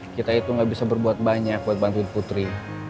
kita itu gak bisa berbuat banyak buat bantu putri